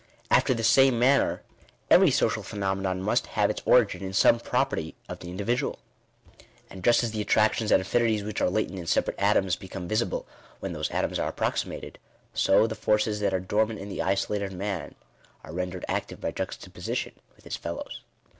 After the same manner, every social phenomenon must have its origin in some property of the individual. And just as the attractions and affinities which are latent in separate atoms, become visible when those atoms are approximated; so the forces that are dormant in the isolated man, are rendered active by juxtaposition with his fellows.